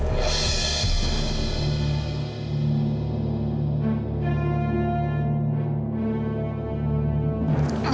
saya ingin mengingatkan dia